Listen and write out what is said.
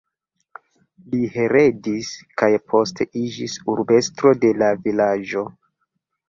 Li heredis, kaj poste iĝis urbestro de la vilaĝo.